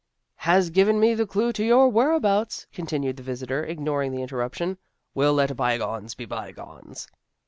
" Has given me the clue to your where abouts," continued the visitor, ignoring the interruption. " We'll let bygones be bygones."